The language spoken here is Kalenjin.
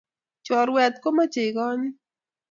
Choruet komachei konyit